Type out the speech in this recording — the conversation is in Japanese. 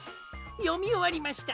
よみおわりました。